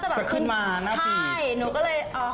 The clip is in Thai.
ก็บอกขึ้นมานะครับ